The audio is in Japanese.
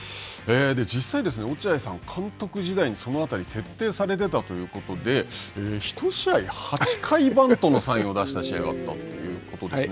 実際、落合さん、監督時代に、その辺り、徹底されてたということで、１試合、８回バントのサインを出した試合があったということですね。